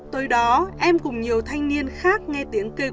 tới đó em cùng nhiều thanh niên khác nghe tiếng của tân